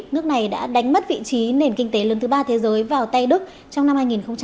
nước này đã đánh mất vị trí nền kinh tế lương thứ ba thế giới vào tay đức trong năm hai nghìn hai mươi ba